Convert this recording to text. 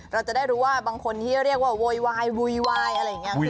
เราจะได้รู้ว่าบางคนที่เรียกว่าโวยวายโวยวายอะไรอย่างนี้